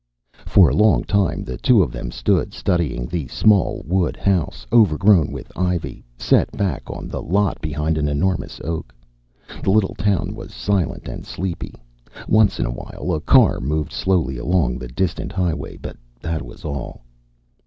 For a long time the two of them stood studying the small wood house, overgrown with ivy, set back on the lot behind an enormous oak. The little town was silent and sleepy; once in awhile a car moved slowly along the distant highway, but that was all.